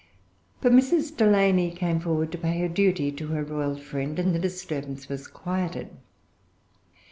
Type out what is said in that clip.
But Mrs. Delany came forward[Pg 357] to pay her duty to her royal friend, and the disturbance was quieted.